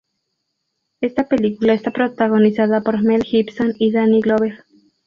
Esta película está protagonizada por Mel Gibson y Danny Glover.